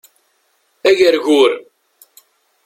Agergur